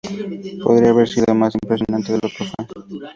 Podría haber sido más impresionante de lo que fue.